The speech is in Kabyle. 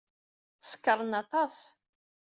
Sekṛen aṭas.